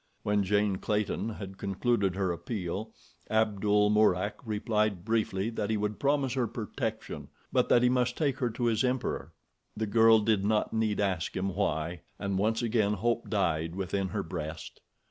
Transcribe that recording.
When Jane Clayton had concluded her appeal, Abdul Mourak replied briefly that he would promise her protection; but that he must take her to his emperor. The girl did not need ask him why, and once again hope died within her breast.